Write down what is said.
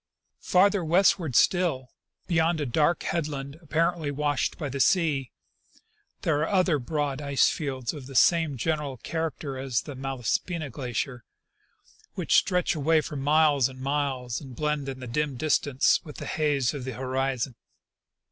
Farther westward still, beyond a dark headland apparently washed by the sea, there are other broad ice fields of the same general character as the Malaspina glacier, which stretch away for miles and miles and blend in the dim distance with the haze of the horizon.